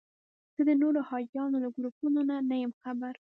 زه د نورو حاجیانو له ګروپونو نه یم خبر.